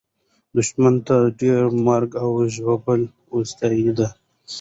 دښمن ته ډېره مرګ او ژوبله اوښتې ده.